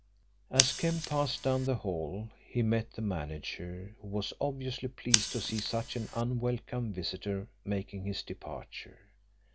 As Kemp passed down the hall he met the manager, who was obviously pleased to see such an unwelcome visitor making his departure.